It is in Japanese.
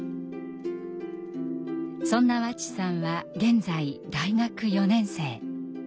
そんな和智さんは現在大学４年生。